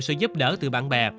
sự giúp đỡ từ bạn bè